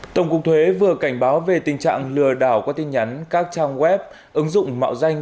tổng cục thuế vừa cảnh báo về tình trạng lừa đảo qua tin nhắn các trang web ứng dụng mạo danh